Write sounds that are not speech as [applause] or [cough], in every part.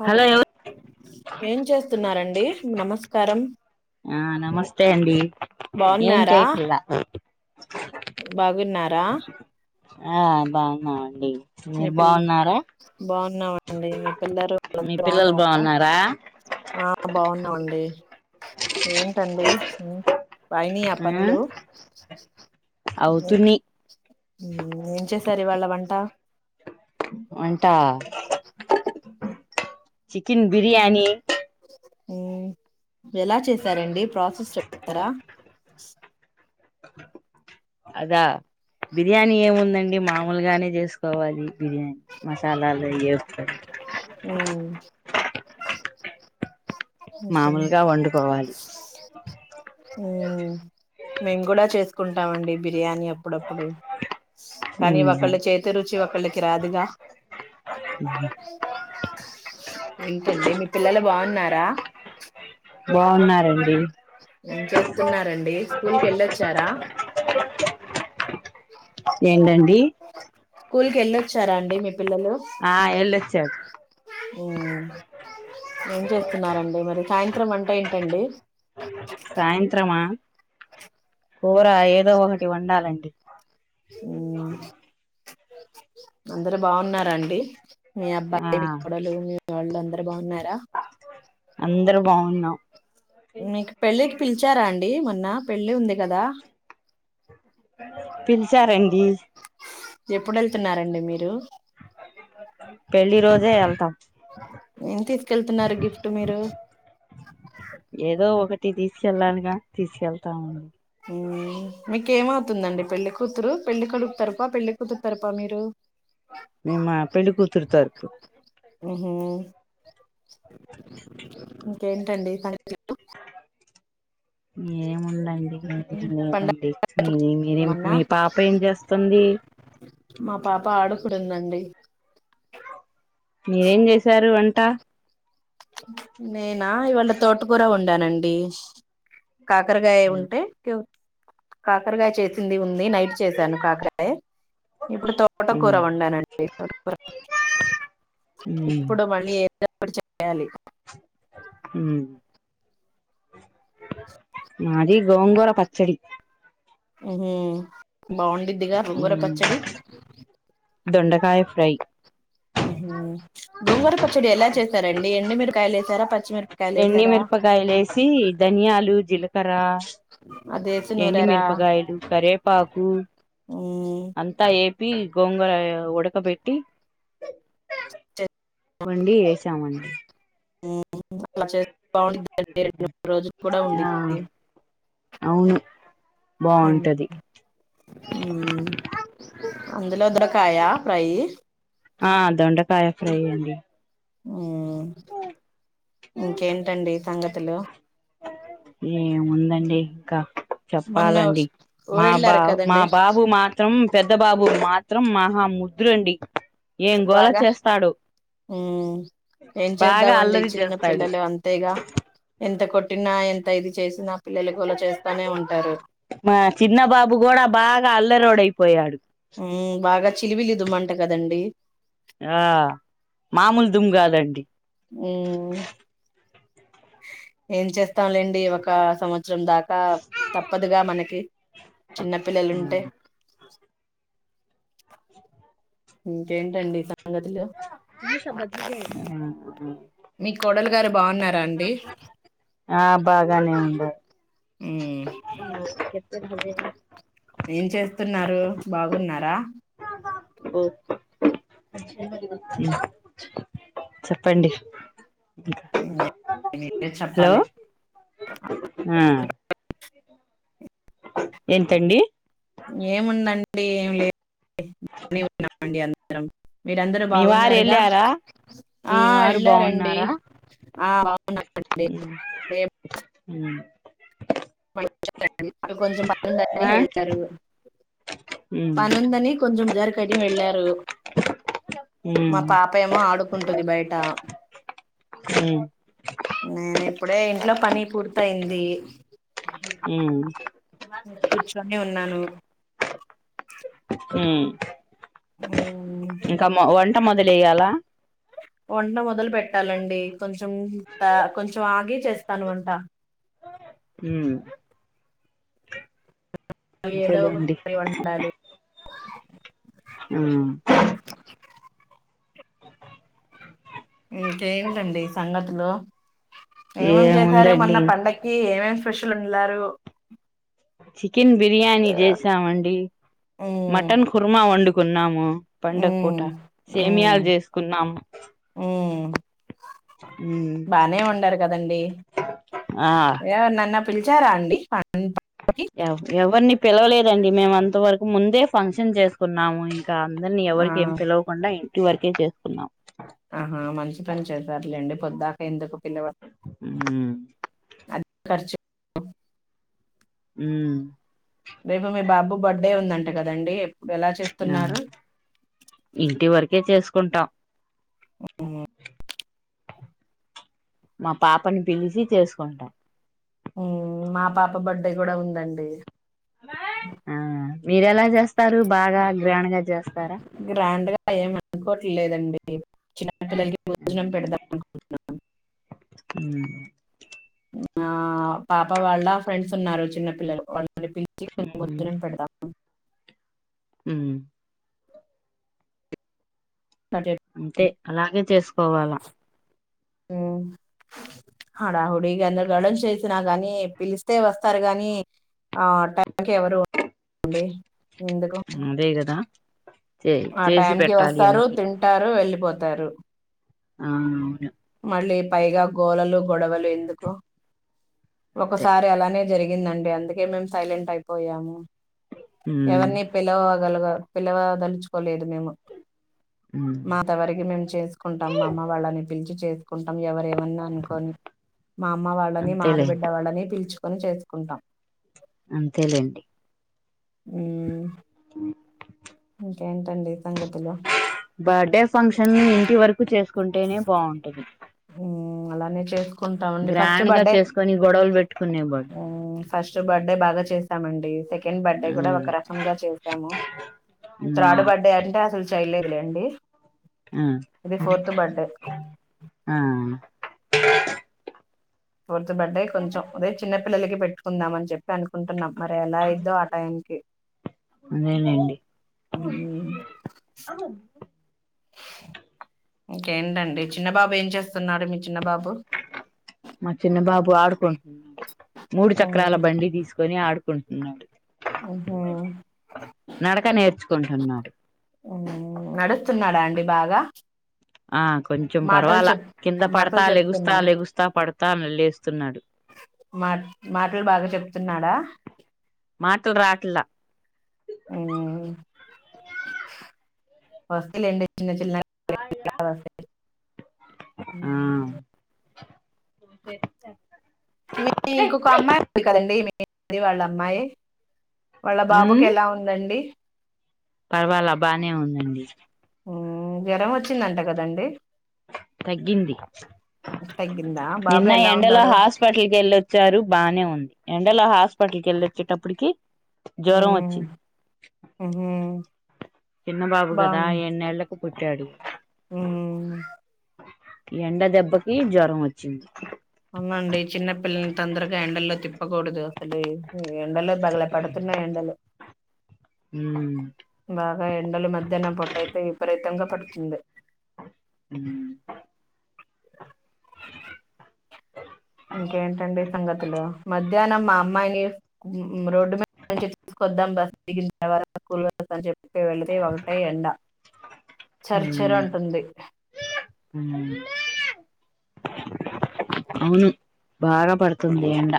Hello ఏం చేస్తున్నారండి నమస్కారం ఆ నమస్తే అండి ఏం బాగున్నారా చేయట్లే ఇగ బాగున్నారా ఆ బాగున్నామండి మీ మీరు పిల్ల బాగున్నారా బాగున్నామండి మీ పిల్లలు మీ వాళ్ళందరు పిల్లలు బాగున్నారు బాగున్నారా ఆ బాగున్నామండి ఏంటండి ఉమ్ అయినయా పనులు అవుతున్నయ్ ఉమ్ ఏం చేసారు ఇవాళ వంట వంట చికెన్ బిర్యానీ ఉ ఎలా చేసారండి ప్రాసెస్ చెప్తారా అదా బిర్యానీ ఏముందండి మామూలు ములుగానే చేసుకోవాలి బిర్యానీ మసాలాలు అయ్యి ఉమ్ మామూలుగా వండుకోవాలి మేం కూడా చేసుకు కుంటామండి బిర్యానీ అప్పుడప్పుడు కానీ ఒకళ్ళ చేతి రుచి ఒకళ్ళకి రాదుగా ఏంటండి మీ పిల్లలు బాగున్నారా బాగున్నారండి ఏం చేస్తున్నారండి స్కూల్ కి వెళ్ళొచ్చారా ఏంటండి వెళ్ళొచ్చారాండి మీ పిల్లలు ఆ ఎల్లోచ్చారు ఏం చేస్తున్నారండి మరి సాయంత్రం వంట ఏంటండి సాయంత్రమా కూర ఏదో ఒకటి వండాలండి ఉమ్ అందరు బాగున్నారండి మీ ఆ అబ్బాయి మీ కోడలు మీ వాళ్ళుందరు బాగున్నారా అందరు బాగున్నాం మీకు పెళ్ళికి పిలిచారా అండి మొన్న పెళ్ళి ఉంది కదా పిలిచారండి ఎప్పుడు వెళ్తున్నారండి మీరు పెళ్లి రోజే వెళ్తాం ఏం తీసుకెళ్తున్నారు గిఫ్ట్ మీరు ఏదో ఒకటి తీసుకెళ్లాలిగా తీసుకెళ్తాము మీకఏమవుతుందండి పెళ్లి కూతురు పెళ్లి కొడుకు తరుప పెళ్లి కూతురు తరుప మీరు మేమ పెళ్ళి పెళ్లికూతురి తరపు ఉహు ఇంకేంటండి ఏముంద పండగ దండి మీరేం మొన్న మీ పాప ఏం చేస్తుంది మా పాప ఆడుకుంటుందండి మీరేం చేశారు వంట నేనా ఇవాళ తోటకూర వండానండి కాకరగాయ ఉంటే కాకరగాయ చే ది ఉంది నైట్ చేశాను కాకరకాయే ఇప్పుడు తోటకూర ఉమ్ వండానండి తోటకూర ఉమ్ ఇప్పుడు మళ్ళీ ఏదో ఒకటి చెయ్యాలి ఉమ్ మా ది గోంగూర పచ్చడి బాగుండిద్దిగా గోంగూర ఉమ్ పచ్చడి దొండకాయ ఫ్రై ఉహు గోంగూర పచ్చడి ఎలా చేసారండి ఎండి మీరకాయలు వేసారా ప ఎండి మిరపకాయలు వేసి ధనియాలు, జీలకర్ర అది వేసి నూరారా ఎండిమిరపకాయలు, కరేపాకు ఉమ్. అంతా ఏ ప్పి గోంగూర ఉడకబెట్టి చే- వండి ఏసామండి అ చేస్త బాగు రడు రోజులు కూడా ఉంది ఆ అవును బాగుంటది అందులో ఇదరకాయా ప్రై పయ ఫ్రై అడి ఇంకేంటండి సంగతులు ఏ ఉందండి ఇంకా మొన్న చెప్పాలండి మా బా ఊరెళ్ళారు మా కదండి బాబు మాత్రం పెద్ద బాబు మాత్రం మహా ముద్రండి ఏం గోల చేస్తాడు ఉ ఏం బాగా చేద్దామండి అల్లరి చిన్న చేస్తాడు పిల్లలు అంతేగా ఎంత కొట్ పెట్టి ఎంత ఇది చేసి మా చిన్న బాబు కూడా బాగా అల్లరోోడ్ అయిపోయాడు బాగా చిలివిలి ఇదమంట కదంీ ఆ మామూలు దుమ్ కాదండి ఉ ఏం చేస్తాంలేండి ఒక సంవత్సరం వం దాకా తప్పదుగా మనకి చిన్నపిిల్లలుంటే ఇంకేంటండి సంగతి మీ కోడలు గారు బాగున్నారా అండి ఆ బాగానే ఉంది అ ఆ ఏం చేస్తున్నారు బాగున్నారా ఓ చెప్పండి మీరే హలో చెప్పాలి ఎంతండి ఏముందండి ఏమి లేదున్నాండి అందరం మీరందరూ మీ వారు బాగున్నారుగా వెళ్ళారా మీ ఆ వారు వెళ్ళారంండి ఆ వా కొంచెం పనుందని ఆ వెళ్తారు ఉమ్ పనుందని కొ కొంచంచెం దరక అయి వెళ్ళారు ఉమ్ ఉమ్ మా పాప ఏమో ఆడుకుంటుంది బయట హ అప్పుడే ఇంట్లో పని పూర్తయింది హ ను కూర్చుని ఉన్నాను మ్మ్ ఇంకా వంట మొదలుయ్యాలా వంట మొదలు పెట్టాలండి కొంచెం కొంచెం ఆగి చేస్తాను వంట ఆ హ ఏదో ఒక అంతేలేండి కవ ఉండాలి అ కేంటండి సంగతులు ఏమేం చేశారు ఏముందండి మన్న పండకి ఏమేం ఫెషలు ఉండలారు చికెన్ బిర్యానీ చేసామండి ఉమ్ మటన్ కుర్మా వండుకున్నాము పండగ పూట ఉమ్ ఉమ్ సేమయాలు చేసుకున్నాము ఉమ్ బానే వండారు కదండి ఆ పిల్జాారాండి ఎవరిని పిలవలేదండి మేము అంత వరకు ముందే ఫంక్షన్ చేసుకున్నాము ఇ అందరినీ ఆ ఎవరిక ఏం పిలవకుండా ఇంటి వరకే చేసుకున్నాం ఆహా మంచి పని చేశారులేండి పొద్ద్దాకా ఎందుకు పిలవ అది కర్చ మ్మ్ రేపు మీ బాబు బర్త్డే ఉందంట కదండి. ఎలా ఆ చేస్తున్నారు ఇంటి వరకే చేసుకుంటాం మా పాపని పిలిచి చేసుకుంటాం మా పాప బర్త్డే కూడా ఉందండి. ఆ మీరూ ఎలా చేస్తారు బాగా గ్రాండ్ గా చేస్తా గ్రాండ్ గా ఏమి అనుకోట్లేదండి. చిన్నపిల్లలకి భోజనం పెడదాం అనుకుంటున్నాను. ఉమ్ ఆ పాప వాళ్ళ ఫ్రెండ్స్ ఉన్నారు చిన్న పిల్లలు వాళ్ళని పిలిచి భోజనం పెడదాం మ్మ్ అటు- అంతే అలాగే చేసుకోవాలా ఆ హడా హుడిగ అన్న గానీ చేసినా గాని పిలిస్తే వస్తారు గాని ఆ టైమ్ కి ఎవరు ఉండరు అనుకోండి అదేగదా ఆ టైం కి వస్తారు తింటారు వెళ్ళిపోతారు ఆ మళ్ళీ పైగా గోళలు గొడవలు ఎందుకు అంతే ఒకసారి అలానే జరిగిందండి అందుకే మేము సైలెంట్ అయిపోయాము ఉమ్ ఎవరిని పిలువ గలగా పిలవ దలుచుకోలేదు మేము. ఉమ్ మాంతవరికి మేము చేసుకుంటాం మా అమ్మ వాళ్ళని పిలిచి చేసుకుంటాం ఎవరు ఏమన్నా అనుకొని మా అమ్మ వాళ్ళని మా అంతేలే ఆడబిడ్డ వాళ్ళని పిల్చుకొని చేసుకుంటాం అంతేలేండి ఉమ్ అ ఏంటడి ఈ సంగతులు బర్త్డే ఫంక్షన్ ఇంటి వరకు చేసుకుంటేనే బాగుంటుది మ్మ్ అలానే చేసుకుంటామండి ఫస్ట్ గ్రాండ్ గా బర్త్డే చేసుకొని గొడవలు పెట్టి ఫస్ట్ బర్త్డే బాగా చేశామండి సెకండ్ బర్డే కూడా ఒక రకంగా చేసాము. ఆ త్రాడు బడ్డే అంటే అసలు చేయలేదులేండి. ఆ ఇది ఫోర్త్ బర్త్డే ఆ ఫోర్త్ బర్త్డే కొంచెం అదే చిన్న పిల్లకి పెట్టుకుందా అని చెప్పి అనుకుంటున్నాం మరి ఎలా అయిద్దో ఆ టైంకి అదేనండి మ్మ్ ఇంకేంటండి చిన్నబాబు ఏం చేస్తున్నాడు మీ చిన్నబాబు మా చిన్నబాబు ఆడుకుంటున్నాడు మూడు చక్రాల బండి తీసుకుని ఆడుకుంటున్నాడు. ఉహు నడక నేర్చుకుంటున్నాడు నడుస్తున్నాడా అండి బాగా ఆ కొంచెం మాటలు పర్వాలా చెప్ కింద మాటలు పడతా లేగుస్తా చెప్తున్నాడు లేగుస్తా పడతా లెగు స్తునాడు మా మాటలు బాగా చెప్తున్నాడా మాటలు రాట్లా హ్మ్మ్ వస్తి లే చిన్న చిన్నగా ఆ [unintelligible] మీ ఇంకొక అమ్మాయి ఉంది కదండి వాళ్ళ అమ్మాయి వాళ్ళ బాబుకి ఉమ్ ఎలా ఉందండి. పర్వాలా బానే ఉందండి. హ్ జ్వరం వచ్చిందంట కదండి. తగ్గింది తగ్గిందా బాబు నిన్న ఎలా ఎండలో ఉన్నాడు హాస్పిటల్కి ఎళ్ళొచ్చారు. బానే ఉంది. ఎండలో హాస్పిటల్ కి ఎళ్ళి వచ్చేటప్పటికి జ్వరం ఉమ్, వచ్చింది. ఉహు, చిన్న బాబు కదా ఎడ్నేళ్లకు పుట్టాడు. హ్ ఈ ఎండ దెబ్బకి జ్వరం వచ్చింది. అవునండి చిన్నపిల్లల్ని తొందరగా ఎండల్లో తిప్పకూడదు అసలు ఎండల్లో బగల పడుతు న్నయి ఎండలు. హ్మ్ బాగా ఎండలు మధ్యాహ్నం పూట అయితే విపరీతంగా పడుతుంది. హ్ ఇంకేంటండి సంగతులు మధ్యాహ్నం మా అమ్మాయిని ఉ రోడ్డు మీద నుంచి తీసుకొద్దాం బస్ దిగినా తర్వాత స్కూల్ బస్సు అని చెప్పి వెళుతే ఒకటే ఎండ చర్చర్ ఉమ్ అంటుంది. అవును బాగా పడుతుంది ఎండా.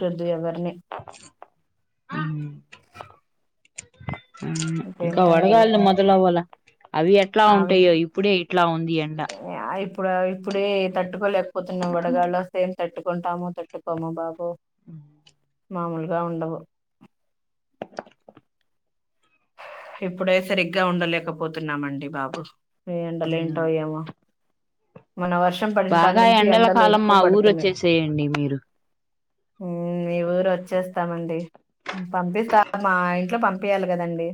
తిట్టద్దు ఎవర్ని. ఆ ఇంకా ఇంకేంటండి వడగాలులు మొదలవ్వలా. అవి ఎట్లా అవి ఉంటయో ఇప్పుడే ఇట్లా ఉంది ఎండ. ఆ, ఇప్పుడు ఇప్పుడే తట్టుకోలేకపోతున్నాం, వడగాలులు వస్తే తట్టుకుంటామో తట్టుకోమో బాబు. ఉ మామూలుగా ఉండవు. ఇప్పుడే సరిగ్గా ఉండలేకపోతున్నామండి బాబు ఈ ఎండలు ఉమ్ ఏంటో ఏమో. మొన్నా వర్షం పడిన బాగా కానుంచి ఎండల ఎండలు కాలం ఎక్కువ మా ఊరు పడుతున్నయి. వచ్చేసేయండి మీరు హ్ మీ ఊరు వచ్చేస్తామండి పంపిస్తా మా ఇంట్లో పంపింయాల కదండి.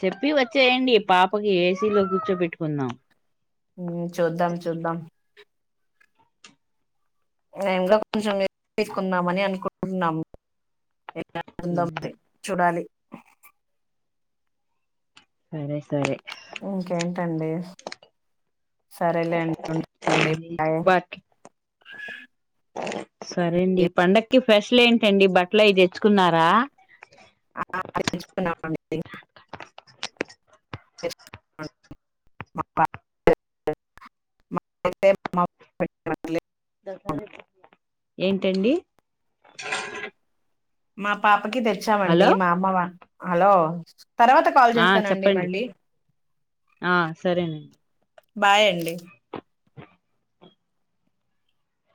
చెప్పి వచ్చేయండి పాపకి ఏసీలో కూర్చో పెట్టుకుందాం. హ్ చూద్దాం చూద్దాం. మేము కూడ కొంచెం ఎసి తీసుకుందామని అనుకుంటున్నాము. ఎమవుతుందో మరి చూడాలి. సరే సరే టెన్ డేస్ సరేలేండి ఉంట అండి బాయ్. బట్ సరే అండి ఏం- పండగ క్కి స్పెషల్ ఏంటండి బట్టలు అయి తెచ్చుకున్నారా. ఆ [inaudible] తెచ్చుకున్నాం అండి. [inaudible] మా [inaudible] మా [inaudible] ఏంటండి? మా పాపకి తెచ్చామండి హలో మా అమ్మవా హలో తర్వాత కాల్ ఆ చేస్తానండి చెప్పండి మళ్ళీ. ఆ సరేనండి. బాయండి.